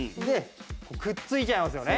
くっついちゃいますよね？